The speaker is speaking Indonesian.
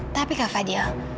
tapi kak fadil